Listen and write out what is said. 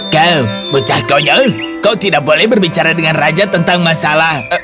kau bocah konyol kau tidak boleh berbicara dengan raja tentang masalah